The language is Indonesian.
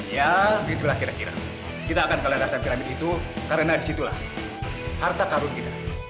ya itulah kira kira kita akan kelarasan piramid itu karena disitulah harta karun kita